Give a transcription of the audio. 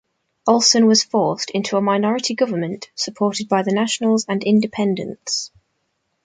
Olsen was forced into a minority government, supported by the Nationals and independents.